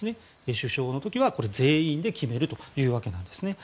首相の時は全員で決めるというわけなんですね。